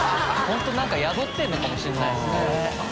本当何か宿ってるのかもしれないですね。